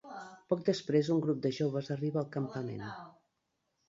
Poc després un grup de joves arriba al campament.